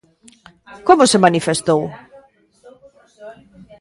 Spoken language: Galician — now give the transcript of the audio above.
Como se manifestou?